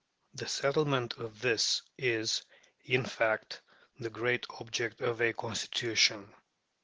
The settlement of this is, in fact, the great object of a Constitution.